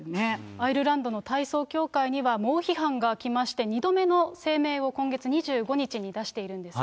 アイルランドの体操協会には猛批判が来まして、２度目の声明を、今月２５日に出しているんですね。